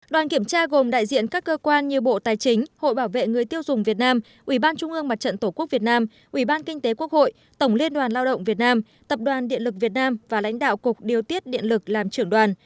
đoàn kiểm tra gồm đại diện các cơ quan như bộ tài chính hội bảo vệ người tiêu dùng việt nam ubnd tổ quốc việt nam ubnd kinh tế quốc hội tổng liên đoàn lao động việt nam tập đoàn điện lực việt nam và lãnh đạo cục điều tiết điện lực làm trưởng đoàn